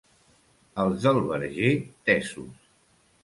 Els del Verger, tesos.